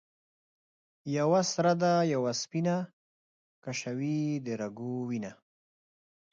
یوه سره ده یوه سپینه ـ کشوي د رګو وینه